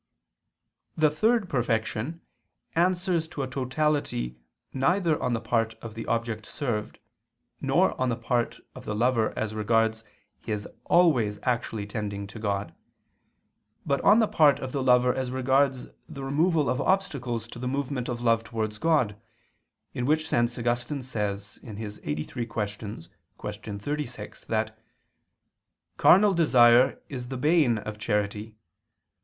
The third perfection answers to a totality neither on the part of the object served, nor on the part of the lover as regards his always actually tending to God, but on the part of the lover as regards the removal of obstacles to the movement of love towards God, in which sense Augustine says (QQ. LXXXIII, qu. 36) that "carnal desire is the bane of charity; to have no carnal desires is the perfection of charity."